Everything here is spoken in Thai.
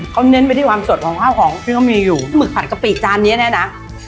เขาเน้นไปที่ความสดของข้าวของที่เขามีอยู่หมึกผัดกะปิจานเนี้ยเนี้ยนะ